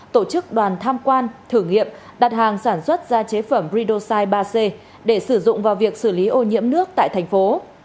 tổ chức đoàn tham quan thử nghiệm đặt hàng sản xuất ra chế phẩm ridosite ba c để sử dụng vào việc xử lý ô nhiễm nước tại thành phố